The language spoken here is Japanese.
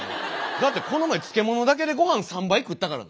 だってこの前漬物だけでごはん３杯食ったからな。